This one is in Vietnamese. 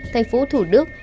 thành phố thủ đức